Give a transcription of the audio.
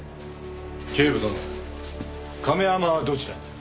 警部殿亀山はどちらに？